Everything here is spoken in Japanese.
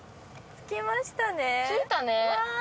着きましたね。